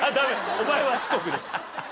お前は四国です。